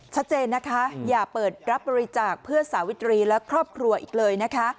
ชัดเจนนะคะอย่าเปิดรับบริจาคเพื่อสาวิตรีและครอบครัวอีกเลยนะคะ